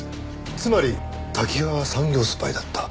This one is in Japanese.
つまり瀧川は産業スパイだった。